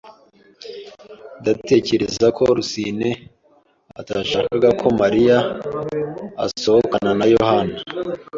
Ndatekereza ko Rusine atashakaga ko Mariya asohokana na Yohana.